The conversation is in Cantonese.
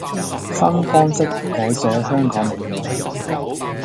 新方式改寫香港命運